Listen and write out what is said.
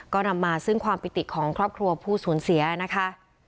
ก็นำมาซึ่งความปิติของครอบครัวผู้สูญเสียนะคะ